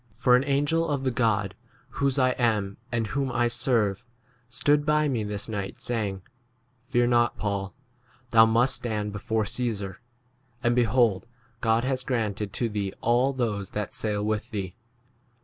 For an angel of the God whose I am and whom I serve 24 stood by me this night, saying, Fear not, Paul ; thou must stand before Caesar ; and behold, God has granted to thee all those that sail 25 with thee.